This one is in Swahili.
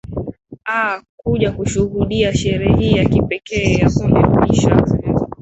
aa kuja kushuhudia sherehe hii ya kipekee ya kumwapisha